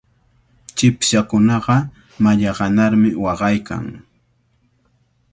Chipshakunaqa mallaqanarmi waqaykan.